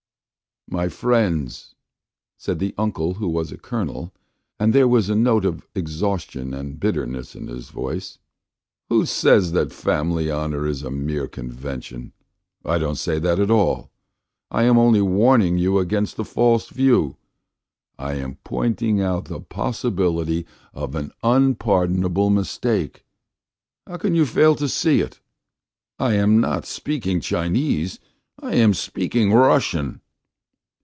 "My friends!" said the uncle who was a colonel, and there was a note of exhaustion and bitterness in his voice. "Who says that family honour is a mere convention? I don't say that at all. I am only warning you against a false view; I am pointing out the possibility of an unpardonable mistake. How can you fail to see it? I am not speaking Chinese; I am speaking Russian!"